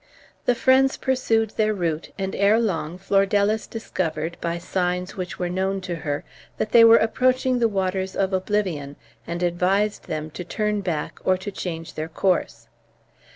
The friends pursued their route, and ere long Flordelis discovered, by signs which were known to her, that they were approaching the waters of Oblivion, and advised them to turn back, or to change their course.